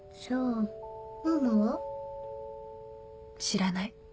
知らない。